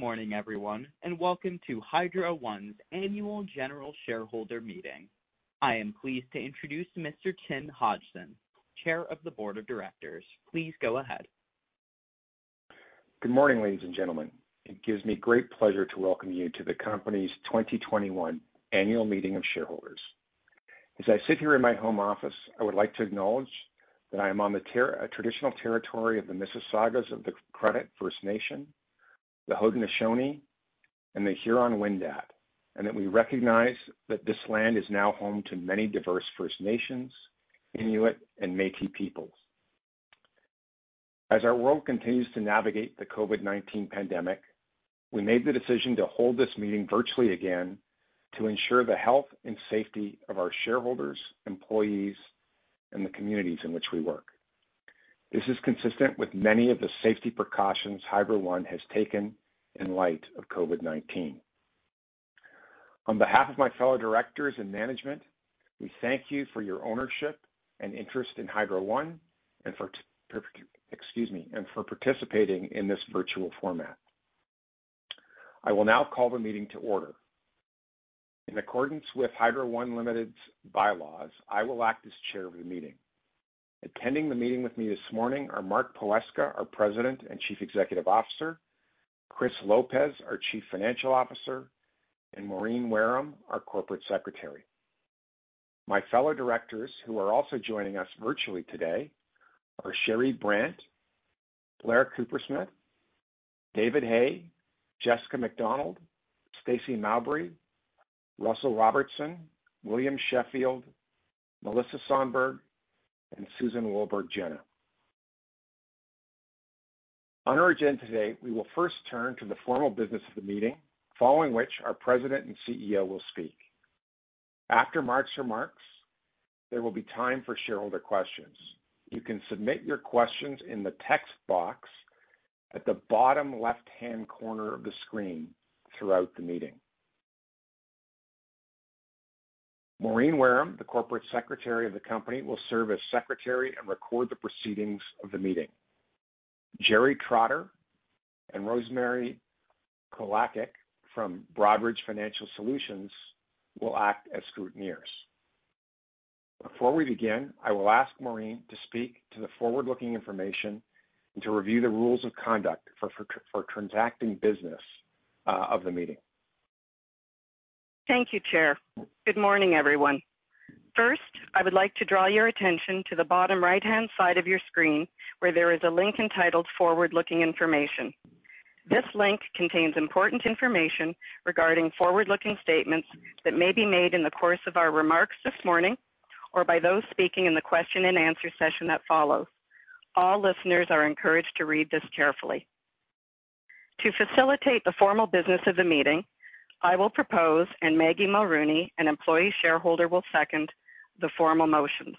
Good morning, everyone, and welcome to Hydro One's Annual General Shareholder Meeting. I am pleased to introduce Mr. Tim Hodgson, Chair of the Board of Directors. Please go ahead. Good morning, ladies and gentlemen. It gives me great pleasure to welcome you to the company's 2021 Annual Meeting of Shareholders. As I sit here in my home office, I would like to acknowledge that I'm on the traditional territory of the Mississaugas of the Credit First Nation, the Haudenosaunee, and the Huron-Wendat, and that we recognize that this land is now home to many diverse First Nations, Inuit, and Métis peoples. As our world continues to navigate the COVID-19 pandemic, we made the decision to hold this meeting virtually again to ensure the health and safety of our shareholders, employees, and the communities in which we work. This is consistent with many of the safety precautions Hydro One has taken in light of COVID-19. On behalf of my fellow directors and management, we thank you for your ownership and interest in Hydro One, and for participating in this virtual format. I will now call the meeting to order. In accordance with Hydro One Limited's bylaws, I will act as chair of the meeting. Attending the meeting with me this morning are Mark Poweska, our President and Chief Executive Officer, Chris Lopez, our Chief Financial Officer, and Maureen Wareham, our Corporate Secretary. My fellow directors, who are also joining us virtually today, are Cherie Brant, Blair Cowper-Smith, David Hay, Jessica McDonald, Stacey Mowbray, Russel Robertson, William Sheffield, Melissa Sonberg, and Susan Wolburgh Jenah. On our agenda today, we will first turn to the formal business of the meeting, following which our President and CEO will speak. After Mark's remarks, there will be time for shareholder questions. You can submit your questions in the text box at the bottom left-hand corner of the screen throughout the meeting. Maureen Wareham, the Corporate Secretary of the company, will serve as secretary and record the proceedings of the meeting. Jerry Trotter and Rosemary Colakic from Broadridge Financial Solutions will act as scrutineers. Before we begin, I will ask Maureen to speak to the forward-looking information and to review the rules of conduct for transacting business of the meeting. Thank you, Chair. Good morning, everyone. First, I would like to draw your attention to the bottom right-hand side of your screen, where there is a link entitled Forward-Looking Information. This link contains important information regarding forward-looking statements that may be made in the course of our remarks this morning, or by those speaking in the question-and-answer session that follows. All listeners are encouraged to read this carefully. To facilitate the formal business of the meeting, I will propose, and Maggie Mulroney, an employee shareholder, will second the formal motions.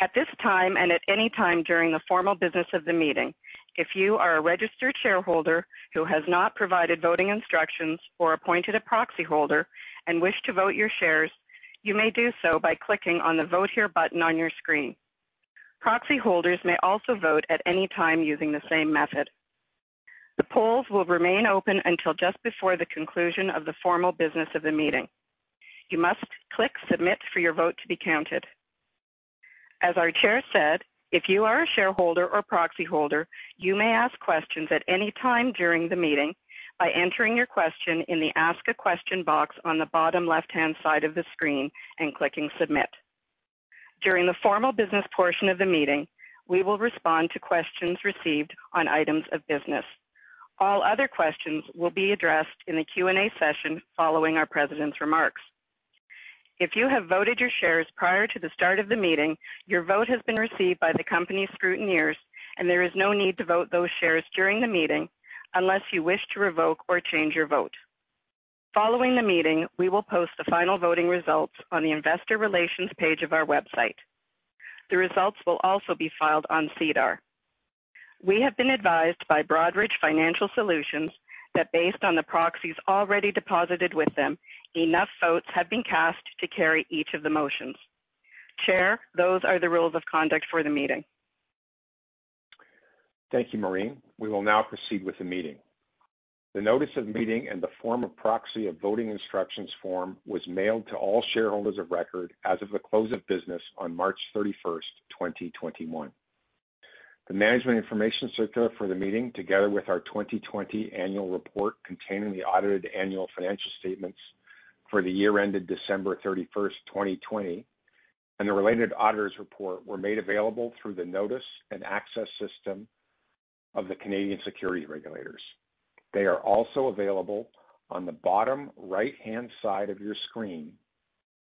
At this time, and at any time during the formal business of the meeting, if you are a registered shareholder who has not provided voting instructions or appointed a proxyholder and wish to vote your shares, you may do so by clicking on the Vote Here button on your screen. Proxyholders may also vote at any time using the same method. The polls will remain open until just before the conclusion of the formal business of the meeting. You must click Submit for your vote to be counted. As our chair said, if you are a shareholder or proxyholder, you may ask questions at any time during the meeting by entering your question in the Ask a Question box on the bottom left-hand side of the screen and clicking Submit. During the formal business portion of the meeting, we will respond to questions received on items of business. All other questions will be addressed in a Q&A session following our president's remarks. If you have voted your shares prior to the start of the meeting, your vote has been received by the company scrutineers, and there is no need to vote those shares during the meeting unless you wish to revoke or change your vote. Following the meeting, we will post the final voting results on the investor relations page of our website. The results will also be filed on SEDAR. We have been advised by Broadridge Financial Solutions that based on the proxies already deposited with them, enough votes have been cast to carry each of the motions. Chair, those are the rules of conduct for the meeting. Thank you, Maureen. We will now proceed with the meeting. The notice of the meeting and the form of proxy and voting instructions form was mailed to all shareholders of record as of the close of business on March 31st, 2021. The Management Information Circular for the meeting, together with our 2020 Annual Report containing the audited annual financial statements for the year ended December 31st, 2020, and the related auditor's report were made available through the Notice and Access system of the Canadian securities regulators. They are also available on the bottom right-hand side of your screen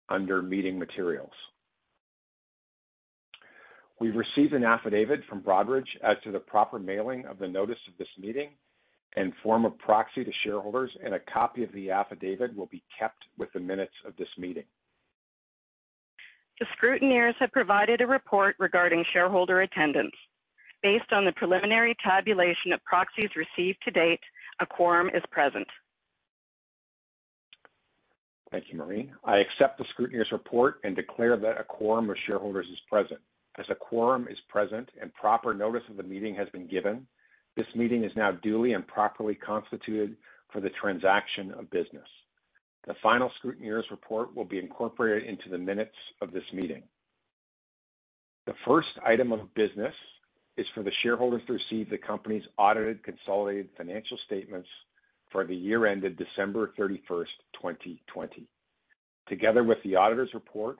under Meeting Materials. We received an affidavit from Broadridge as to the proper mailing of the notice of this meeting and form of proxy to shareholders, and a copy of the affidavit will be kept with the minutes of this meeting. The scrutineers have provided a report regarding shareholder attendance. Based on the preliminary tabulation of proxies received to date, a quorum is present. Thank you, Maureen. I accept the scrutineer's report and declare that a quorum of shareholders is present. As a quorum is present and proper notice of the meeting has been given, this meeting is now duly and properly constituted for the transaction of business. The final scrutineer's report will be incorporated into the minutes of this meeting. The first item of business is for the shareholders to receive the company's audited consolidated financial statements for the year ended December 31st, 2020, together with the auditor's report,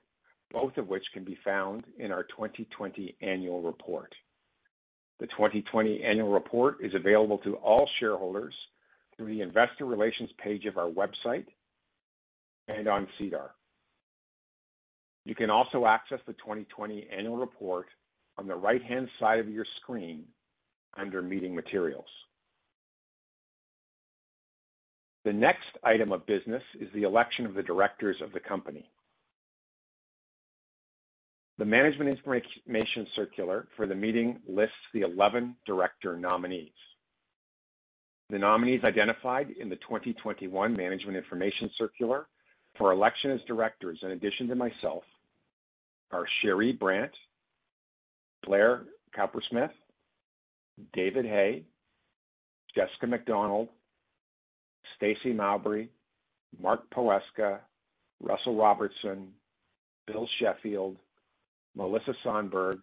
both of which can be found in our 2020 Annual Report. The 2020 Annual Report is available to all shareholders through the investor relations page of our website and on SEDAR. You can also access the 2020 annual report on the right-hand side of your screen under meeting materials. The next item of business is the election of the directors of the company. The management information circular for the meeting lists the 11 director nominees. The nominees identified in the 2021 management information circular for election as directors, in addition to myself, are Cherie Brant, Blair Cowper-Smith, David Hay, Jessica McDonald, Stacey Mowbray, Mark Poweska, Russel Robertson, William Sheffield, Melissa Sonberg,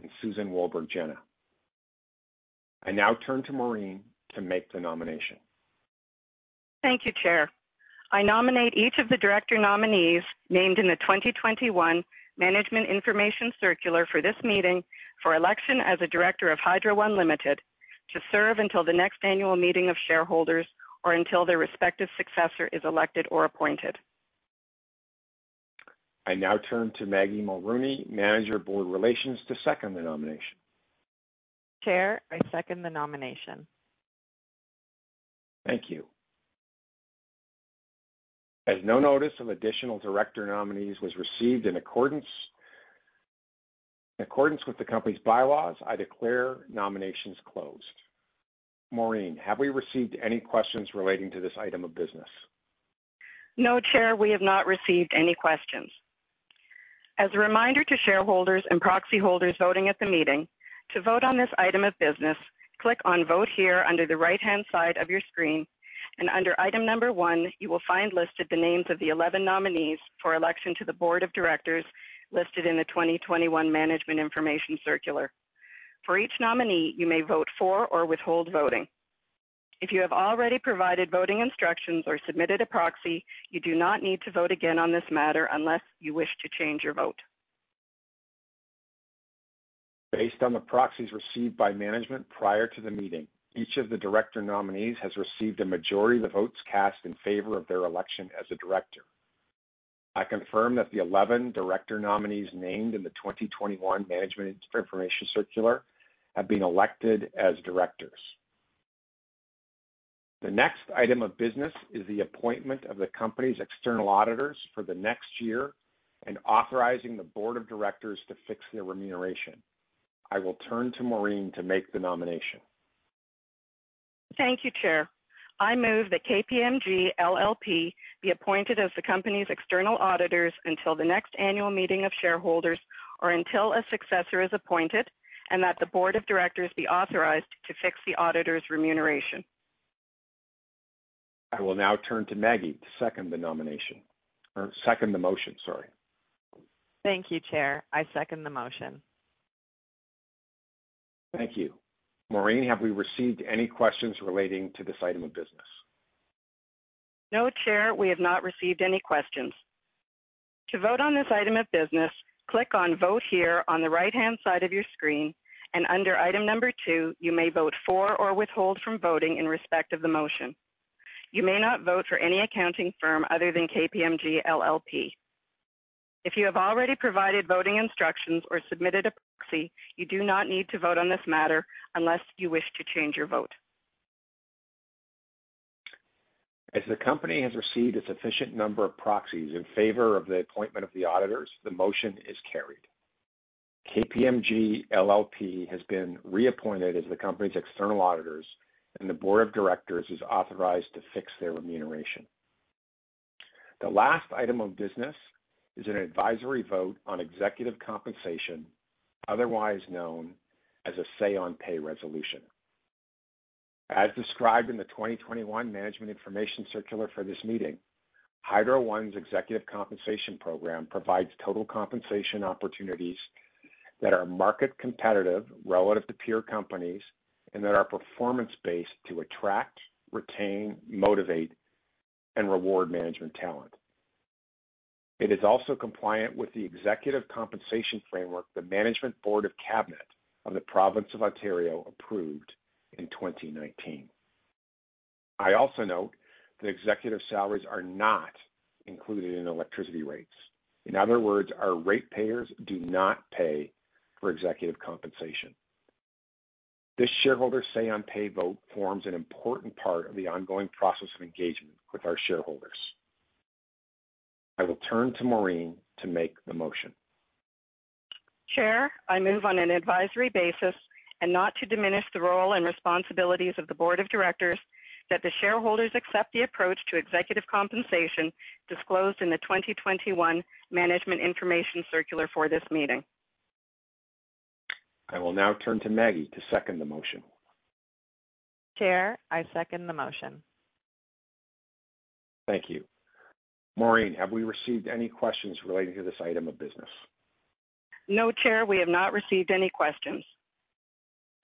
and Susan Wolburgh Jenah. I now turn to Maureen to make the nomination. Thank you, Chair. I nominate each of the director nominees named in the 2021 Management Information Circular for this meeting for election as a director of Hydro One Limited, to serve until the next annual meeting of shareholders or until their respective successor is elected or appointed. I now turn to Maggie Mulroney, Manager of Board Relations, to second the nomination. Chair, I second the nomination. Thank you. As no notice of additional director nominees was received in accordance with the company's bylaws, I declare nominations closed. Maureen, have we received any questions relating to this item of business? No, Chair, we have not received any questions. As a reminder to shareholders and proxy holders voting at the meeting, to vote on this item of business, click on Vote here under the right-hand side of your screen, and under item number one, you will find listed the names of the 11 nominees for election to the Board of Directors listed in the 2021 Management Information Circular. For each nominee, you may vote for or withhold voting. If you have already provided voting instructions or submitted a proxy, you do not need to vote again on this matter unless you wish to change your vote. Based on the proxies received by management prior to the meeting, each of the director nominees has received a majority of the votes cast in favor of their election as a director. I confirm that the 11 director nominees named in the 2021 management information circular have been elected as directors. The next item of business is the appointment of the company's external auditors for the next year and authorizing the Board of Directors to fix their remuneration. I will turn to Maureen to make the nomination. Thank you, Chair. I move that KPMG LLP be appointed as the company's external auditors until the next annual meeting of shareholders or until a successor is appointed, and that the Board of Directors be authorized to fix the auditors' remuneration. I will now turn to Maggie to second the nomination, or second the motion, sorry. Thank you, Chair. I second the motion. Thank you. Maureen, have we received any questions relating to this item of business? No, Chair, we have not received any questions. To vote on this item of business, click on Vote here on the right-hand side of your screen, and under item number two, you may vote for or withhold from voting in respect of the motion. You may not vote for any accounting firm other than KPMG LLP. If you have already provided voting instructions or submitted a proxy, you do not need to vote on this matter unless you wish to change your vote. If the company has received a sufficient number of proxies in favor of the appointment of the auditors, the motion is carried. KPMG LLP has been reappointed as the company's external auditors, and the Board of Directors is authorized to fix their remuneration. The last item of business is an advisory vote on executive compensation, otherwise known as a Say-on-Pay resolution. As described in the 2021 Management Information Circular for this meeting, Hydro One's executive compensation program provides total compensation opportunities that are market competitive relative to peer companies and that are performance-based to attract, retain, motivate, and reward management talent. It is also compliant with the executive compensation framework the Management Board of Cabinet of the province of Ontario approved in 2019. I also note that executive salaries are not included in electricity rates. In other words, our ratepayers do not pay for executive compensation. This shareholder Say-on-Pay vote forms an important part of the ongoing process of engagement with our shareholders. I will turn to Maureen to make the motion. Chair, I move on an advisory basis, and not to diminish the role and responsibilities of the Board of Directors, that the shareholders accept the approach to executive compensation disclosed in the 2021 Management Information Circular for this meeting. I will now turn to Maggie to second the motion. Chair, I second the motion. Thank you. Maureen, have we received any questions related to this item of business? No, Chair, we have not received any questions.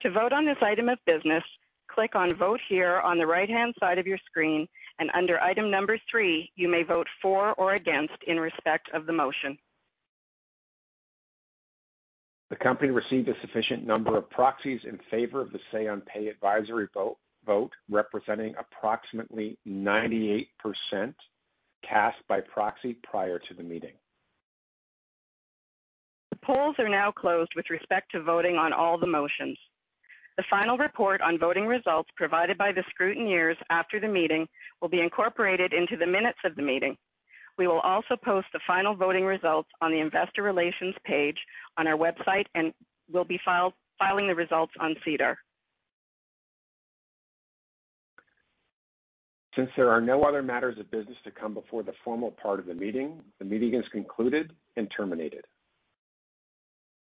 To vote on this item of business, click on Vote Here on the right-hand side of your screen, and under item number three, you may vote for or against in respect of the motion. The company received a sufficient number of proxies in favor of the Say-on-Pay advisory vote, representing approximately 98% cast by proxy prior to the meeting. The polls are now closed with respect to voting on all the motions. The final report on voting results provided by the scrutineers after the meeting will be incorporated into the minutes of the meeting. We will also post the final voting results on the investor relations page on our website, and we'll be filing the results on SEDAR. Since there are no other matters of business to come before the formal part of the meeting, the meeting is concluded and terminated.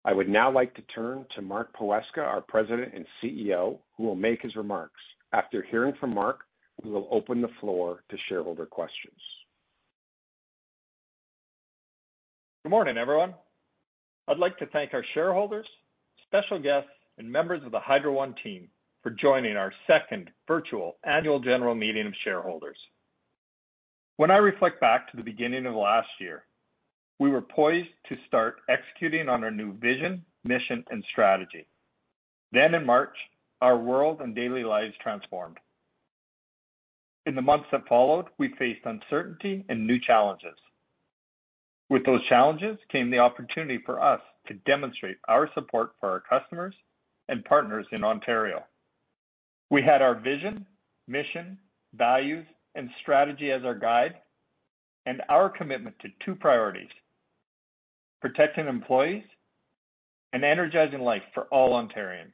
I would now like to turn to Mark Poweska, our President and CEO, who will make his remarks. After hearing from Mark, we will open the floor to shareholder questions. Good morning, everyone. I'd like to thank our shareholders, special guests, and members of the Hydro One team for joining our second virtual Annual General Meeting of Shareholders. When I reflect back to the beginning of last year, we were poised to start executing on our new vision, mission, and strategy. In March, our world and daily lives transformed. In the months that followed, we faced uncertainty and new challenges. With those challenges came the opportunity for us to demonstrate our support for our customers and partners in Ontario. We had our vision, mission, values, and strategy as our guide and our commitment to two priorities: protecting employees and energizing life for all Ontarians.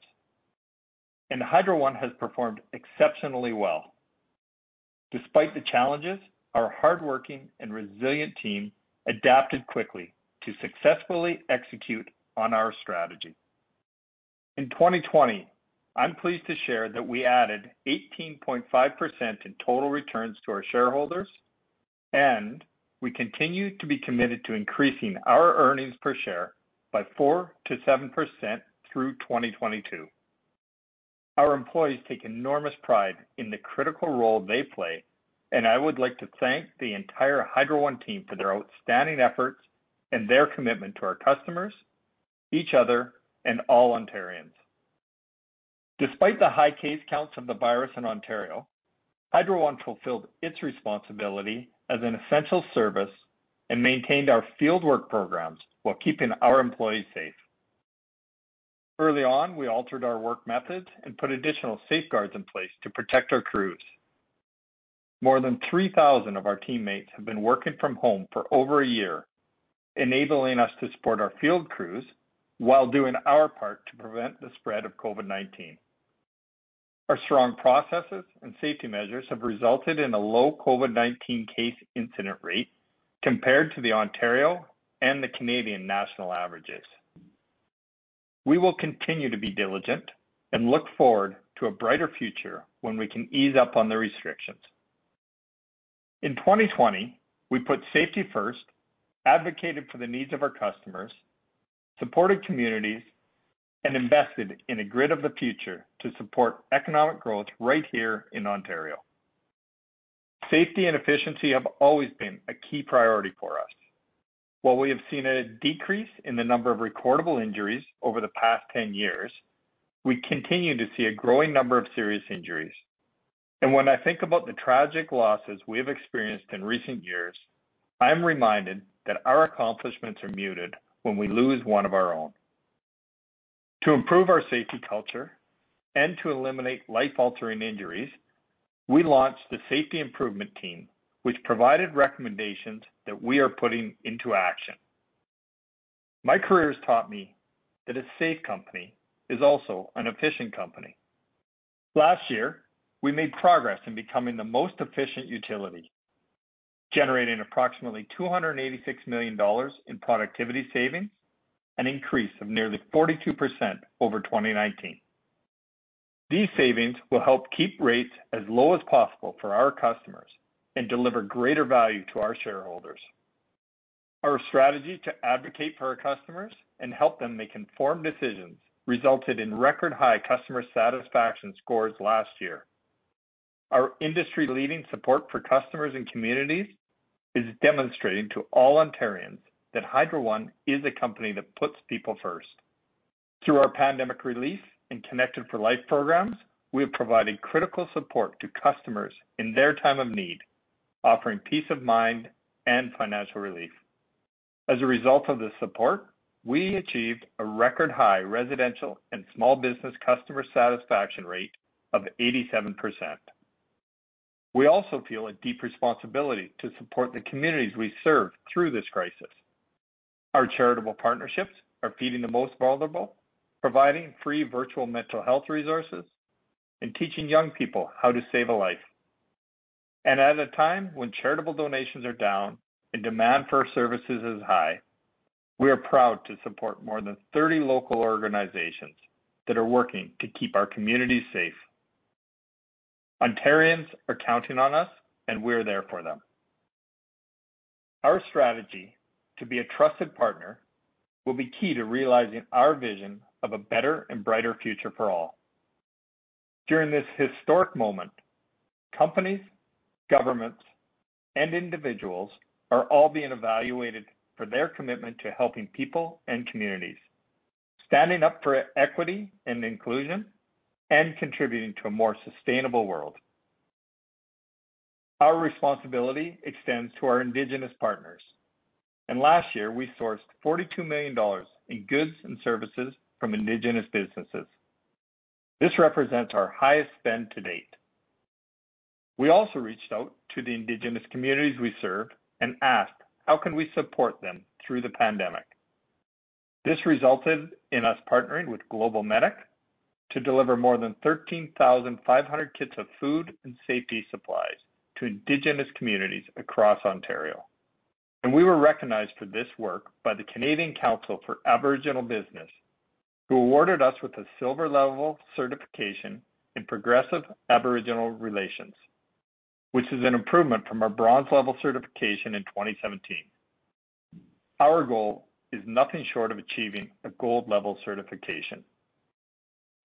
Hydro One has performed exceptionally well. Despite the challenges, our hardworking and resilient team adapted quickly to successfully execute on our strategy. In 2020, I'm pleased to share that we added 18.5% in total returns to our shareholders, and we continue to be committed to increasing our earnings per share by 4%-7% through 2022. Our employees take enormous pride in the critical role they play, and I would like to thank the entire Hydro One team for their outstanding efforts and their commitment to our customers, each other, and all Ontarians. Despite the high case counts of the virus in Ontario, Hydro One fulfilled its responsibility as an essential service and maintained our fieldwork programs while keeping our employees safe. Early on, we altered our work methods and put additional safeguards in place to protect our crews. More than 3,000 of our teammates have been working from home for over a year, enabling us to support our field crews while doing our part to prevent the spread of COVID-19. Our strong processes and safety measures have resulted in a low COVID-19 case incident rate compared to the Ontario and the Canadian national averages. We will continue to be diligent and look forward to a brighter future when we can ease up on the restrictions. In 2020, we put safety first, advocated for the needs of our customers, supported communities, and invested in a grid of the future to support economic growth right here in Ontario. Safety and efficiency have always been a key priority for us. While we have seen a decrease in the number of recordable injuries over the past 10 years, we continue to see a growing number of serious injuries. When I think about the tragic losses we've experienced in recent years, I'm reminded that our accomplishments are muted when we lose one of our own. To improve our safety culture and to eliminate life-altering injuries, we launched the Safety Improvement Team, which provided recommendations that we are putting into action. My career has taught me that a safe company is also an efficient company. Last year, we made progress in becoming the most efficient utility, generating approximately 286 million dollars in productivity savings, an increase of nearly 42% over 2019. These savings will help keep rates as low as possible for our customers and deliver greater value to our shareholders. Our strategy to advocate for our customers and help them make informed decisions resulted in record-high customer satisfaction scores last year. Our industry-leading support for customers and communities is demonstrating to all Ontarians that Hydro One is a company that puts people first. Through our Pandemic Relief Program and Connected for Life programs, we have provided critical support to customers in their time of need, offering peace of mind and financial relief. As a result of this support, we achieved a record-high residential and small business customer satisfaction rate of 87%. We also feel a deep responsibility to support the communities we serve through this crisis. Our charitable partnerships are feeding the most vulnerable, providing free virtual mental health resources, and teaching young people how to save a life. At a time when charitable donations are down and demand for services is high, we are proud to support more than 30 local organizations that are working to keep our communities safe. Ontarians are counting on us, and we're there for them. Our strategy to be a trusted partner will be key to realizing our vision of a better and brighter future for all. During this historic moment, companies, governments, and individuals are all being evaluated for their commitment to helping people and communities, standing up for equity and inclusion, and contributing to a more sustainable world. Our responsibility extends to our Indigenous partners. Last year, we sourced 42 million dollars in goods and services from Indigenous businesses. This represents our highest spend to date. We also reached out to the Indigenous communities we serve and asked how can we support them through the Pandemic. This resulted in us partnering with GlobalMedic to deliver more than 13,500 kits of food and safety supplies to Indigenous communities across Ontario. We were recognized for this work by the Canadian Council for Aboriginal Business, who awarded us with a silver-level certification in Progressive Aboriginal Relations, which is an improvement from our bronze-level certification in 2017. Our goal is nothing short of achieving a gold-level certification.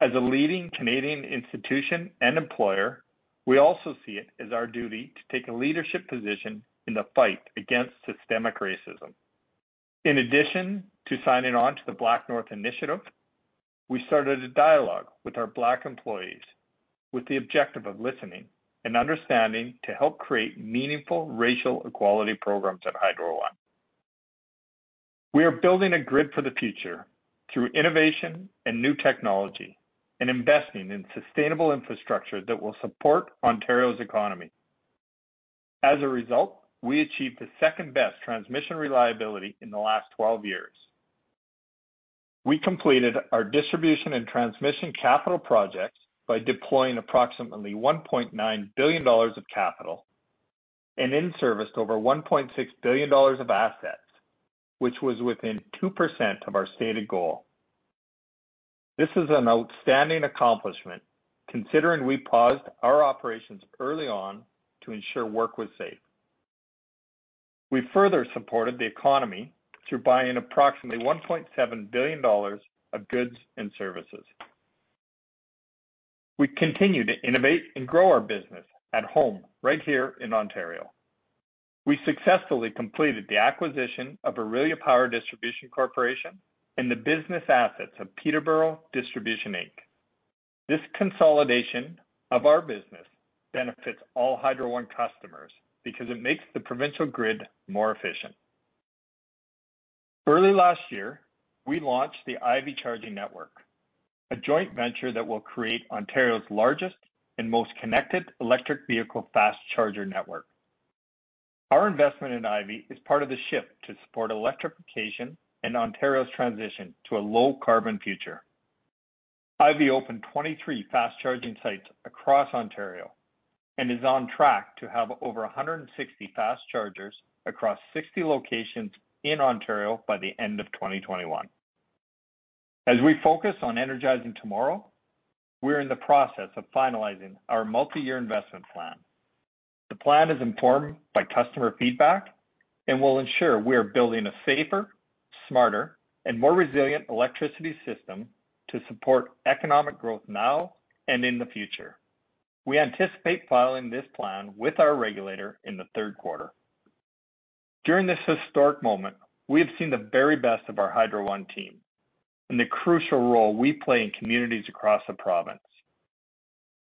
As a leading Canadian institution and employer, we also see it as our duty to take a leadership position in the fight against systemic racism. In addition to signing on to the BlackNorth Initiative, we started a dialogue with our Black employees with the objective of listening and understanding to help create meaningful racial equality programs at Hydro One. We are building a grid for the future through innovation and new technology and investing in sustainable infrastructure that will support Ontario's economy. As a result, we achieved the second-best transmission reliability in the last 12 years. We completed our distribution and transmission capital projects by deploying approximately 1.9 billion dollars of capital and in-serviced over 1.6 billion dollars of assets, which was within 2% of our stated goal. This is an outstanding accomplishment considering we paused our operations early on to ensure work was safe. We further supported the economy through buying approximately 1.7 billion dollars of goods and services. We continue to innovate and grow our business at home, right here in Ontario. We successfully completed the acquisition of Orillia Power Distribution Corporation and the business assets of Peterborough Distribution Inc. This consolidation of our business benefits all Hydro One customers because it makes the provincial grid more efficient. Early last year, we launched the Ivy Charging Network, a joint venture that will create Ontario's largest and most connected electric vehicle fast charger network. Our investment in Ivy is part of the shift to support electrification and Ontario's transition to a low-carbon future. Ivy opened 23 fast-charging sites across Ontario and is on track to have over 160 fast chargers across 60 locations in Ontario by the end of 2021. As we focus on energizing tomorrow, we're in the process of finalizing our multi-year investment plan. The plan is informed by customer feedback and will ensure we are building a safer, smarter, and more resilient electricity system to support economic growth now and in the future. We anticipate filing this plan with our regulator in the third quarter. During this historic moment, we have seen the very best of our Hydro One team and the crucial role we play in communities across the province.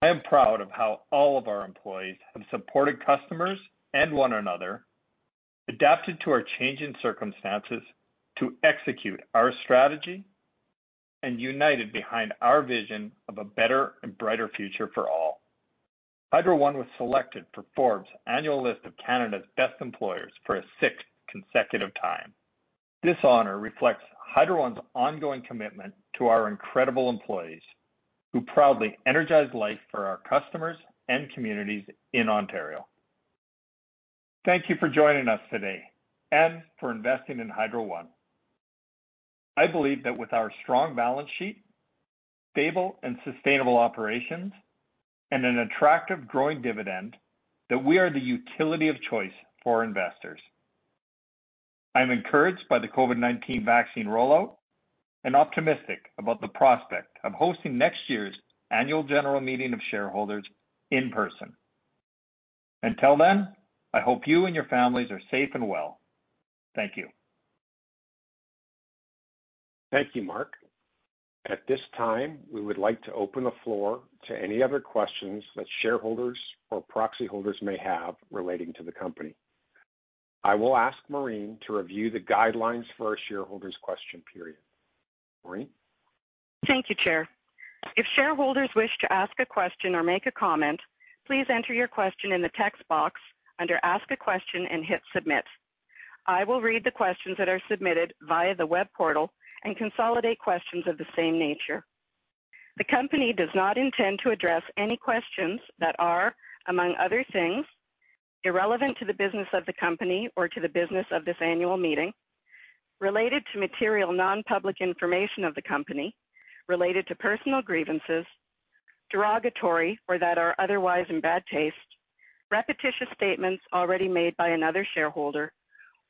I am proud of how all of our employees have supported customers and one another, adapted to our changing circumstances to execute our strategy, and united behind our vision of a better and brighter future for all. Hydro One was selected for Forbes' annual list of Canada's Best Employers for a sixth consecutive time. This honor reflects Hydro One's ongoing commitment to our incredible employees who proudly energize life for our customers and communities in Ontario. Thank you for joining us today and for investing in Hydro One. I believe that with our strong balance sheet, stable and sustainable operations, and an attractive growing dividend, that we are the utility of choice for investors. I'm encouraged by the COVID-19 vaccine rollout and optimistic about the prospect of hosting next year's Annual General Meeting of Shareholders in person. Until then, I hope you and your families are safe and well. Thank you. Thank you, Mark. At this time, we would like to open the floor to any other questions that shareholders or proxy holders may have relating to the company. I will ask Maureen to review the guidelines for our shareholders question period. Maureen? Thank you, Chair. If shareholders wish to ask a question or make a comment, please enter your question in the text box under Ask a Question and hit Submit. I will read the questions that are submitted via the web portal and consolidate questions of the same nature. The company does not intend to address any questions that are, among other things, irrelevant to the business of the company or to the business of this annual meeting, related to material non-public information of the company, related to personal grievances, derogatory or that are otherwise in bad taste, repetitious statements already made by another shareholder,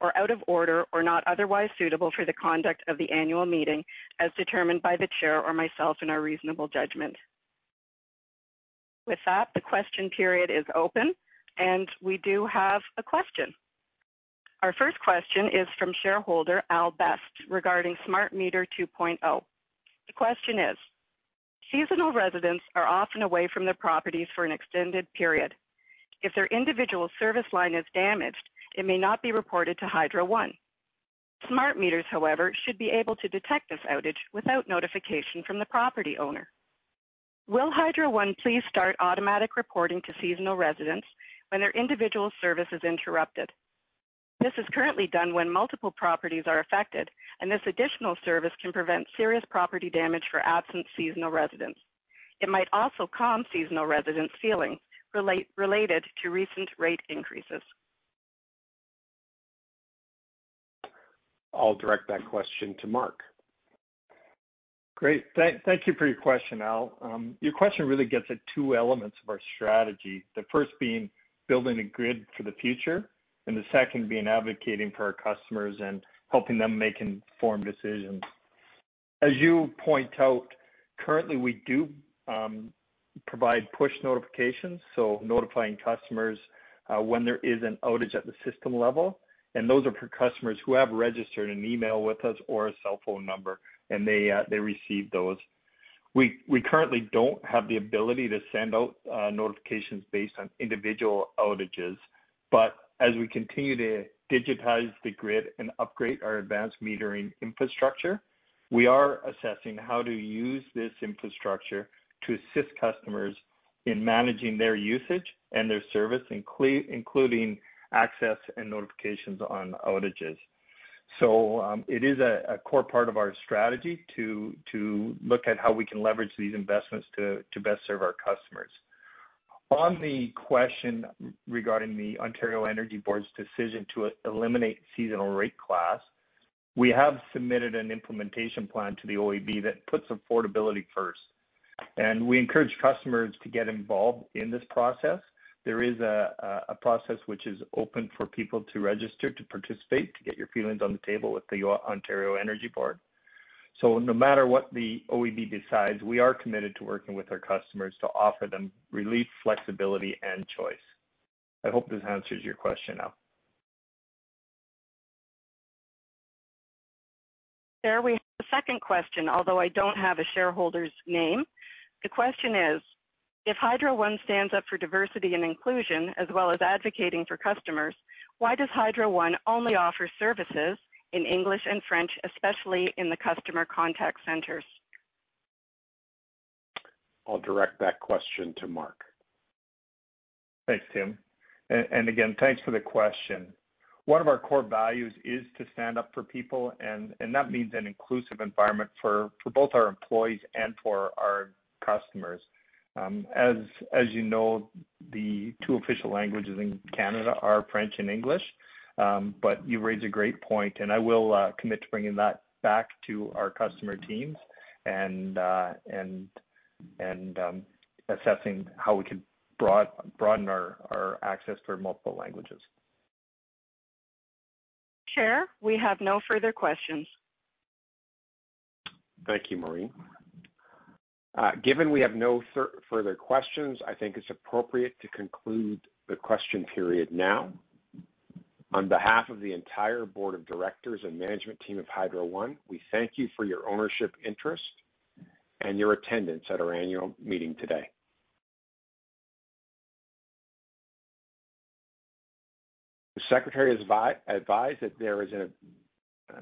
or out of order or not otherwise suitable for the conduct of the Annual Meeting as determined by the chair or myself in our reasonable judgment. With that, the question period is open and we do have a question. Our first question is from shareholder Al Best regarding Smart Meter 2.0. The question is, Seasonal residents are often away from their properties for an extended period. If their individual service line is damaged, it may not be reported to Hydro One. Smart Meters, however, should be able to detect this outage without notification from the property owner. Will Hydro One please start automatic reporting to seasonal residents when their individual service is interrupted? This is currently done when multiple properties are affected, and this additional service can prevent serious property damage for absent seasonal residents. It might also calm seasonal residents' feelings related to recent rate increases. I'll direct that question to Mark. Great. Thank you for your question, Al. Your question really gets at two elements of our strategy, the first being building a grid for the future, and the second being advocating for our customers and helping them make informed decisions. As you point out, currently, we do provide push notifications, so notifying customers when there is an outage at the system level. Those are for customers who have registered an email with us or a cell phone number, and they receive those. We currently don't have the ability to send out notifications based on individual outages. As we continue to digitize the grid and upgrade our advanced metering infrastructure, we are assessing how to use this infrastructure to assist customers in managing their usage and their service, including access and notifications on outages. It is a core part of our strategy to look at how we can leverage these investments to best serve our customers. On the question regarding the Ontario Energy Board's decision to eliminate seasonal rate class, we have submitted an implementation plan to the OEB that puts affordability first. We encourage customers to get involved in this process. There is a process which is open for people to register, to participate, to get your feelings on the table with the Ontario Energy Board. No matter what the OEB decides, we are committed to working with our customers to offer them relief, flexibility, and choice. I hope this answers your question, Al. Chair, we have a second question, although I don't have a shareholder's name. The question is, If Hydro One stands up for diversity and inclusion as well as advocating for customers, why does Hydro One only offer services in English and French, especially in the customer contact centers? I'll direct that question to Mark. Thanks, Tim. Again, thanks for the question. One of our core values is to stand up for people, and that means an inclusive environment for both our employees and for our customers. As you know, the two official languages in Canada are French and English. You raise a great point, and I will commit to bringing that back to our customer teams and assessing how we can broaden our access for multiple languages. Chair, we have no further questions. Thank you, Maureen. Given we have no further questions, I think it's appropriate to conclude the question period now. On behalf of the entire Board of Directors and management team of Hydro One, we thank you for your ownership interest and your attendance at our annual meeting today.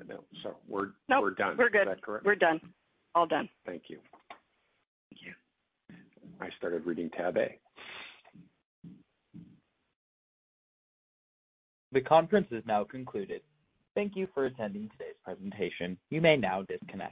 No, sorry. We're done. No, we're good. We're done. All done. Thank you. I started reading tab A. The conference is now concluded. Thank you for attending today's presentation. You may now disconnect.